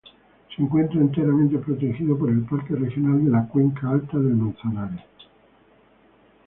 Se encuentra enteramente protegido por el Parque Regional de la Cuenca Alta del Manzanares.